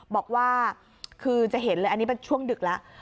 บอกว่าคือจะเห็นเลยอันนี้เป็นช่วงดึกแล้ว